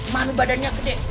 manu badannya gede